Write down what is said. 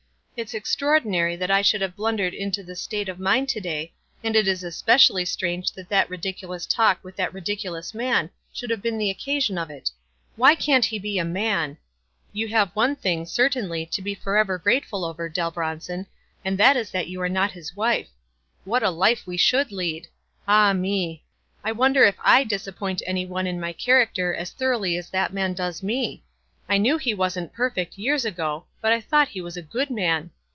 It's extraordinary that I should have blundered into this state of mind to day, and it is espec ially strange that that ridiculous talk with that ridiculous man should have been the occasion of it. Why emit he be a man ! You have one thing, certainly, to be forever grateful over, Dell Brouson, and that is that you are not his wife. What a life we should lead ! Ah, me ! I wonder if I disappoint any one in my character as thoroughly as that man does me ? I knew he wasn't perfect years ago, but I thought he was a good man.